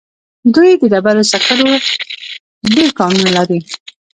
دوی د ډبرو سکرو ډېر کانونه لري.